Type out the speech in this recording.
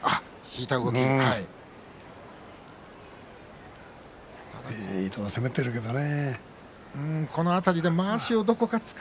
いいところ攻めているけどね。